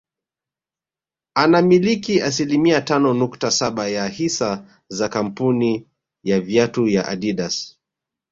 Anamiliki asilimia tano nukta saba ya hisa za kamapuni ya viatu ya Adidas